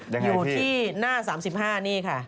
อยู่ที่หน้า๓๕นี่ค่ะ